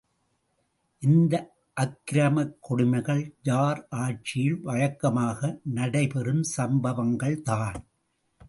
இந்த அக்கிரமக் கொடுமைகள் ஜார் ஆட்சியில் வழக்கமாக நடைபெறும் சம்பவங்கள்தான்.